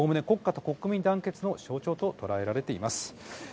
おおむね国家と国民団結の象徴ととらえられています。